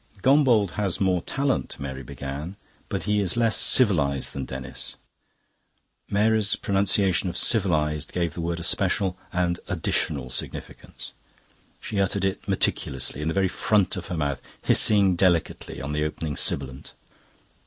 "Gombauld has more talent," Mary began, "but he is less civilised than Denis." Mary's pronunciation of "civilised" gave the word a special and additional significance. She uttered it meticulously, in the very front of her mouth, hissing delicately on the opening sibilant.